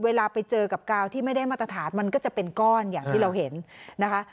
เวลาไปเจอกับกาวที่ไม่ได้มาตรฐานมันก็จะเป็นก้อนอย่างที่เราเห็นนะคะ